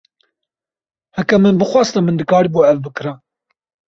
Heke min bixwasta min dikaribû ev bikira.